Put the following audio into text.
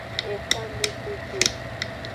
Ekanmetete.